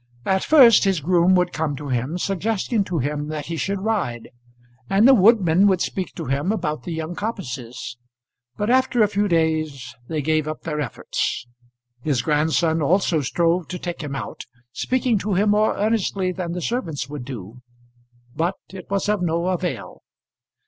At first his groom would come to him, suggesting to him that he should ride, and the woodman would speak to him about the young coppices; but after a few days they gave up their efforts. His grandson also strove to take him out, speaking to him more earnestly than the servants would do, but it was of no avail.